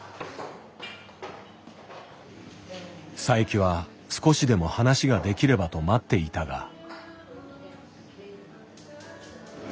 佐伯は少しでも話ができればと待っていたが。